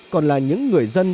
còn là những người dân